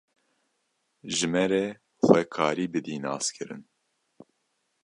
ji me re xwe karî bidî naskirin